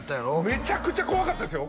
めちゃくちゃ怖かったですよ